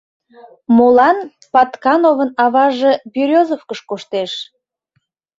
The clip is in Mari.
«Молан Паткановын аваже Берёзовкыш коштеш?